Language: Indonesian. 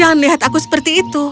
jangan lihat aku seperti itu